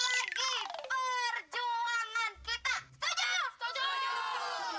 itu gunterik pak